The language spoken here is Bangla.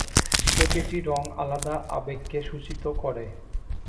প্রতিটি রং আলাদা আলাদা আবেগকে সূচিত করে।